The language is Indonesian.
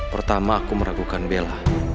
pertama aku meragukan bella